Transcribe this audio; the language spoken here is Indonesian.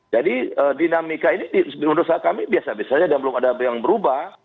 jadi dinamika ini menurut saya kami biasa biasanya dan belum ada yang berubah